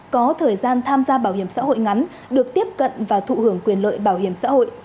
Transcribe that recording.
có thời gian tham gia bảo hiểm xã hội ngắn được tiếp cận và thụ hưởng quyền lợi bảo hiểm xã hội